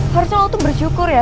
harusnya lu tuh bersyukur ya